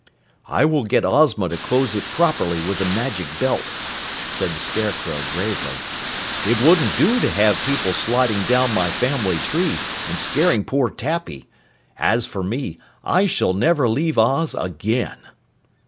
"I will get Ozma to close it properly with the Magic Belt," said the Scarecrow gravely. "It wouldn't do to have people sliding down my family tree and scaring poor Tappy. As for me, I shall never leave Oz again!"